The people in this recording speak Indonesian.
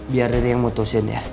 biar riri yang mau tosin ya